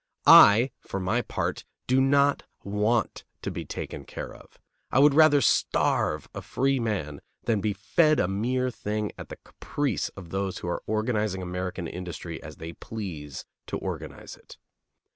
I, for my part, do not want to be taken care of. I would rather starve a free man than be fed a mere thing at the caprice of those who are organizing American industry as they please to organize it.